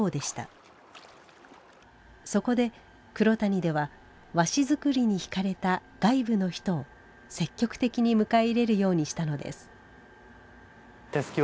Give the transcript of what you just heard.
そこで黒谷では和紙作りに惹かれた外部の人を積極的に迎え入れるようにしたのです。